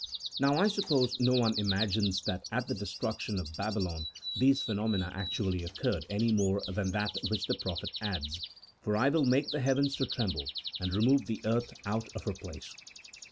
Now I suppose no one imagines that at the destruction of Babylon these phenomena actually occurred any more than that which the prophet adds, " For I will make the heavens to tremble, and remove the earth out of her place."